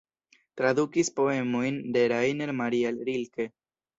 Tradukis poemojn de Rainer Maria Rilke.